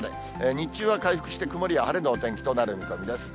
日中は回復して、曇りや晴れのお天気となる見込みです。